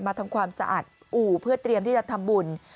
ทำความสะอาดอู่เพื่อเตรียมที่จะทำบุญ